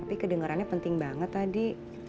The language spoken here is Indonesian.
tapi kedengarannya penting banget tadi